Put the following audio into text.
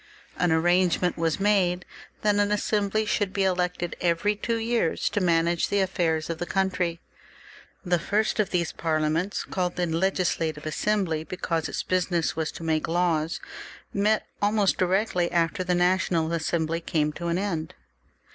An arrangement was made 4 that an Assembly like an English Parliament should be elected every two years to manage the affairs of the country. The first of these parliaments, called the Legis J«— ,. ..fl,*> 398 THE REVOLUTION. [CH. lative Assembly, because its business was to be to make laws, met almost directly after the National Assembly came to an end.